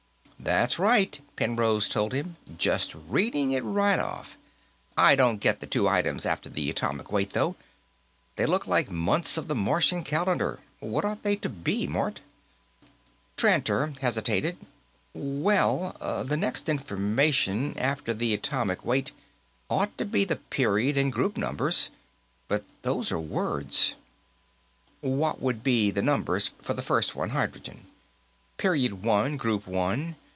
"That's right," Penrose told him. "Just reading it right off. I don't get the two items after the atomic weight, though. They look like months of the Martian calendar. What ought they to be, Mort?" Tranter hesitated. "Well, the next information after the atomic weight ought to be the period and group numbers. But those are words." "What would the numbers be for the first one, hydrogen?" "Period One, Group One.